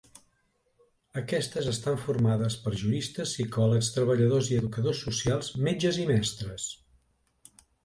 Aquestes estan formades per juristes, psicòlegs, treballadors i educadors socials, metges i mestres.